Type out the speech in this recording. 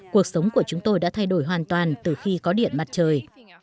cuộc sống của chúng tôi đã thay đổi hoàn toàn từ khi có điện mặt trời